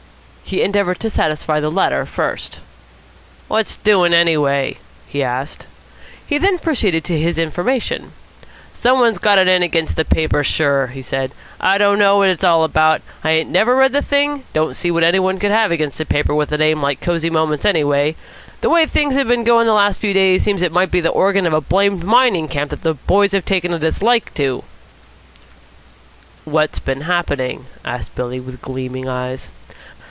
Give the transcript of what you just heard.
He endeavoured to satisfy the latter first. "What's doing, anyway?" he asked. He then proceeded to his information. "Some one's got it in against the paper, sure," he said. "I don't know what it's all about. I ha'n't never read the thing. Don't see what any one could have against a paper with a name like Cosy Moments, anyway. The way things have been going last few days, seems it might be the organ of a blamed mining camp what the boys have took a dislike to." "What's been happening?" asked Billy with gleaming eyes.